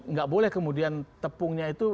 nggak boleh kemudian tepungnya itu